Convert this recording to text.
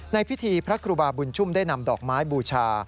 ในพิธีพระครูบาบุญชุ่มได้นำดอกไม้บูชา